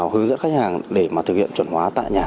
hướng dẫn khách hàng để mà thực hiện chuẩn hóa